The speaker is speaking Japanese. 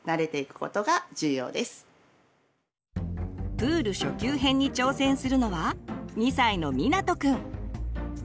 プール初級編に挑戦するのは２歳のみなとくん。